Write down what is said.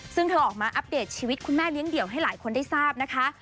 ซึ่งเธอออกมาอัปเดตชีวิตคุณแม่เลี้ยงเดี่ยวให้หลายคนได้ทราบนะคะ